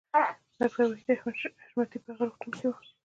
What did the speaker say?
ډاکټر وحید احمد حشمتی په هغه روغتون کې و